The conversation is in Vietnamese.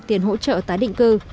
tiền hỗ trợ tái định cư